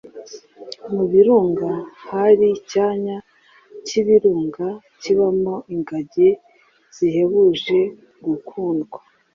Mu birunga hari Icyanya k’Ibirunga kibamo ingagi zahebuje gukundwa,